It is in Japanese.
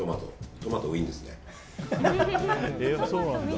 トマトウィンですね。